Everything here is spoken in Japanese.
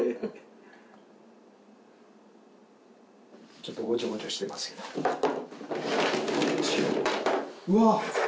ちょっとごちゃごちゃしてますけどうわっ！